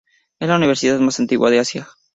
Es la universidad más antigua de Asia.